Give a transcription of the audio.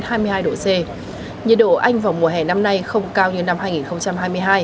nhiệt độ anh vào mùa hè năm nay không cao như năm hai nghìn hai mươi hai